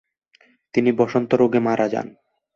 তিনি বসন্ত রোগে মারা যান।